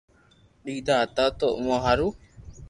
ديدا ھتا تو اووہ ھارو